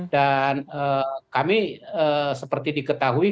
dan kami seperti diketahui